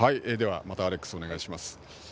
また、アレックスお願いします。